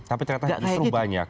tapi ternyata justru banyak